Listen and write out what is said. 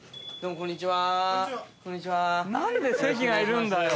こんにちは。